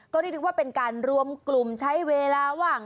ก็นิดนึงว่าเป็นการรวมกลุ่มใช้เวลาหวั่ง